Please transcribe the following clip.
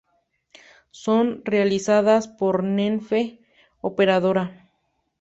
Son realizadas por Renfe Operadora.